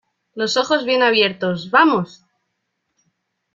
los ojos bien abiertos, ¡ vamos!